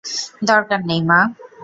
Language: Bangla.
দরকার নেই, মা।